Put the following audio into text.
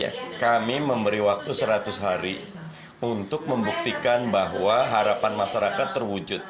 seratus hari untuk membuktikan bahwa harapan masyarakat terwujud